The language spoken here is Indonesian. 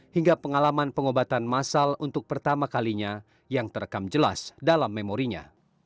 hingga pengalaman pengobatan masal untuk pertama kalinya yang terekam jelas dalam memorinya